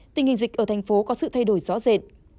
tình hình dịch ở thành phố có sự thay đổi rõ rệt